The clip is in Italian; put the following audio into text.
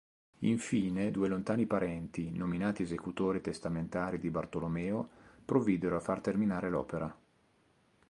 Infine due lontani parenti, nominati esecutori testamentari di Bartolomeo, provvidero a far terminare l'opera.